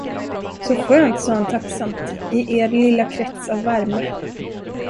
Så skönt, sade han tacksamt, i er lilla krets av värme.